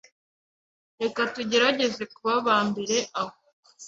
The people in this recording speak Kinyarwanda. Reka tugerageze kuba abambere aho.